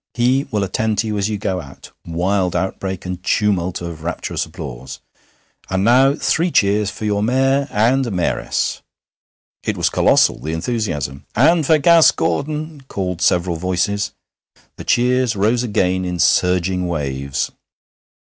He will attend to you as you go out. (Wild outbreak and tumult of rapturous applause.) And now three cheers for your Mayor and Mayoress!' It was colossal, the enthusiasm. 'And for Gas Gordon!' called several voices. The cheers rose again in surging waves.